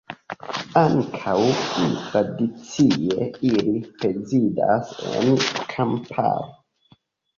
Ankaŭ, pli tradicie, ili rezidas en kamparo.